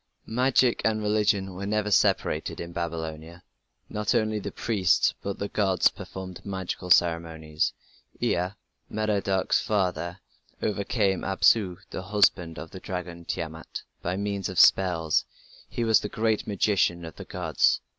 Magic and religion were never separated in Babylonia; not only the priests but also the gods performed magical ceremonies. Ea, Merodach's father, overcame Apsu, the husband of the dragon Tiamat, by means of spells: he was "the great magician of the gods".